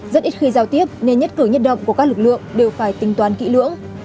rất ít khi giao tiếp nên nhất cửa nhất động của các lực lượng đều phải tính toán kỹ lưỡng